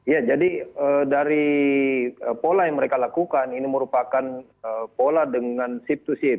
ya jadi dari pola yang mereka lakukan ini merupakan pola dengan ship to ship